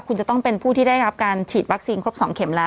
คุณจะต้องเป็นผู้ที่ได้รับการฉีดวัคซีนครบ๒เข็มแล้ว